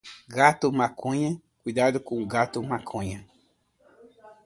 Gato maconha cuidado com o gato maconha